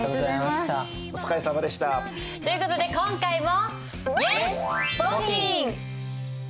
お疲れさまでした。という事で今回も。